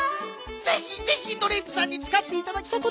「ぜひぜひドレープさんにつかっていただきたく」。